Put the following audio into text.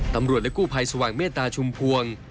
ตำรวจและกู้ภัยสว่างเมตตาชุมพวง